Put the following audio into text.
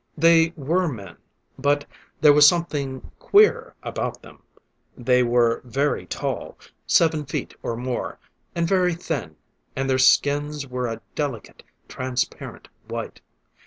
They were men but there was something queer about them. They were very tall seven feet or more and very thin; and their skins were a delicate, transparent white.